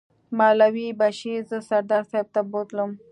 مولوي بشیر زه سردار صاحب ته بوتلم.